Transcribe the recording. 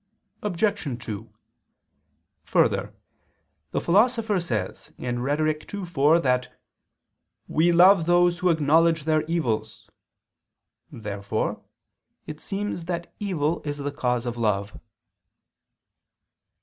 Obj. 2: Further, the Philosopher says (Rhet. ii, 4) that "we love those who acknowledge their evils." Therefore it seems that evil is the cause of love.